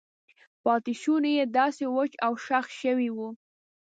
پاتې شونې یې داسې وچ او شخ شوي وو.